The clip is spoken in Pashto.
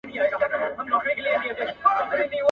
څه باندي پنځوس کاله به کیږي !.